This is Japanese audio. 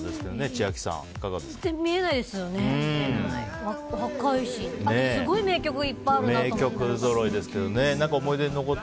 あと、すごい名曲がいっぱいあるなと思って。